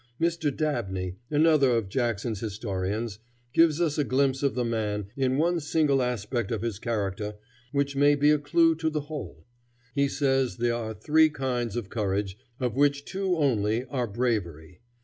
Dr. Dabney, another of Jackson's historians, gives us a glimpse of the man, in one single aspect of his character, which may be a clew to the whole. He says there are three kinds of courage, of which two only are bravery.